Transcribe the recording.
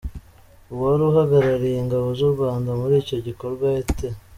Uwari uhagararye ingabo zu Rwanda muri icyo gikorwa Lt.